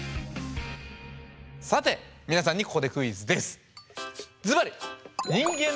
さて皆さんにここでクイズです！